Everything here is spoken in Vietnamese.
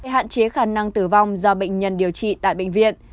hạn chế khả năng tử vong do bệnh nhân điều trị tại bệnh viện